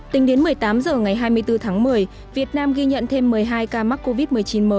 tính đến một mươi tám h ngày hai mươi bốn tháng một mươi việt nam ghi nhận thêm một mươi hai ca mắc covid một mươi chín mới